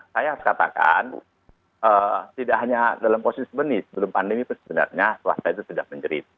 saya harus katakan tidak hanya dalam posisi sebenarnya sebelum pandemi itu sebenarnya swasta itu sudah menjerit